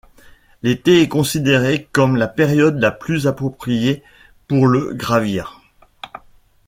L'été est considéré comme la période la plus appropriée pour le gravir.